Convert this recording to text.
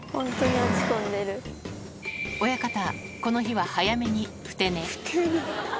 親方、この日は早めにふて寝。